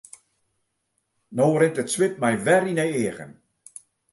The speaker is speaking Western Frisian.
No rint it swit my wer yn 'e eagen.